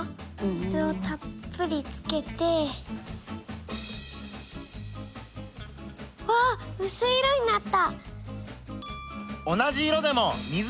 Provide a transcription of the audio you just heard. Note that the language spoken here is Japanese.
水をたっぷりつけて。わうすい色になった！